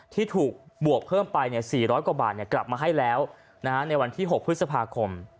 ที่ถูกบวกเพิ่มไป๔๐๐กว่าบาทกลับมาให้แล้วในวันที่๖พฤษภาคม